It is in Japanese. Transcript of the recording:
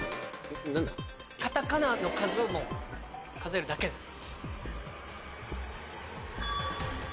カタカナの数を数えるだけです。